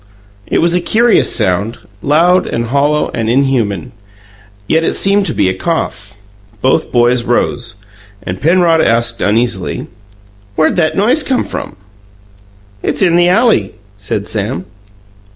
It was a curious sound, loud and hollow and unhuman, yet it seemed to be a cough. Both boys rose, and Penrod asked uneasily: "Where'd that noise come from?" "It's in the alley," said Sam.